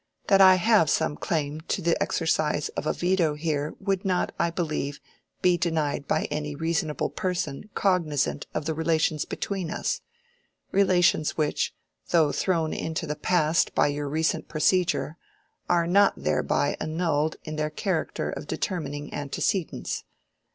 That I have some claim to the exercise of a veto here, would not, I believe, be denied by any reasonable person cognizant of the relations between us: relations which, though thrown into the past by your recent procedure, are not thereby annulled in their character of determining antecedents.